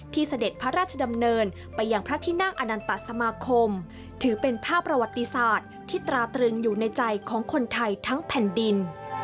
เสด็จพระราชดำเนินไปยังพระที่นั่งอนันตสมาคมถือเป็นภาพประวัติศาสตร์ที่ตราตรึงอยู่ในใจของคนไทยทั้งแผ่นดิน